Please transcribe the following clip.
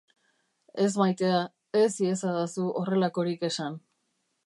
Ez maitea, ez iezadazu horrelakorik esan.